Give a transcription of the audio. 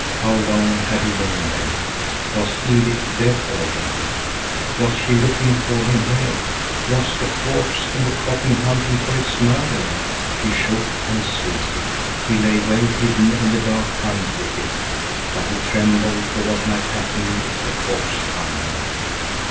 How long had he lain there? Was Edith dead already? Was she looking for him here? Was the corpse in the coffin hunting for its murderer? He shook and sweated. He lay well hidden in the dark pine thicket; but he trembled for what might happen if the corpse found him.